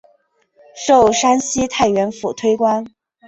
授山西太原府推官。